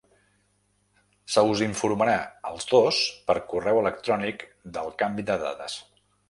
Se us informarà als dos per correu electrònic del canvi de dades.